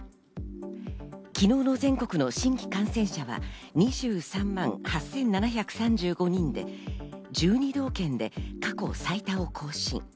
昨日の全国の新規感染者は２３万８７３５人で、１２道県で過去最多を更新。